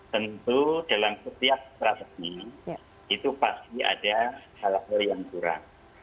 tentu dalam setiap strategi itu pasti ada hal hal yang kurang